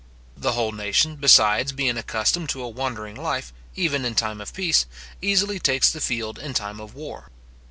The whole nation, besides, being accustomed to a wandering life, even in time of peace, easily takes the field in time of war.